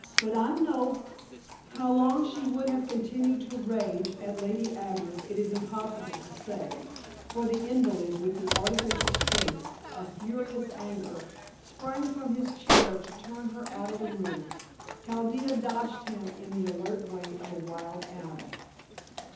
But I'm no " How long she would have continued to rage at Lady Agnes it is impossible to say, for the invalid, with the artificial strength of furious anger, sprang from his chair to turn her out of the room. Chaldea dodged him in the alert way of a wild animal.